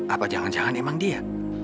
apa jangan jangan emang dia